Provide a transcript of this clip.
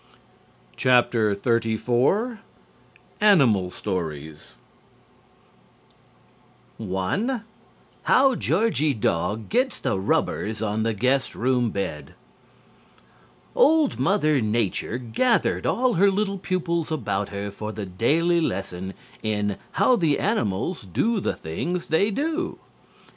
XXXIV ANIMAL STORIES How Georgie Dog Gets the Rubbers on the Guest Room Bed Old Mother Nature gathered all her little pupils about her for the daily lesson in "How the Animals Do the Things They Do."